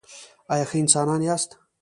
ایا ښه انسان یاست؟